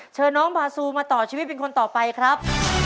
เชิญน้องบาซูมาต่อชีวิตเป็นคนต่อไปครับ